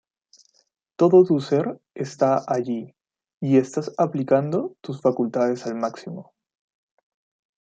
Todo tu ser está allí, y estás aplicando tus facultades al máximo.